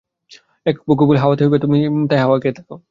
এক পক্ষ বলছেন, হাওয়াতে তাই, তবে তুমি হাওয়া খেয়ে থাক।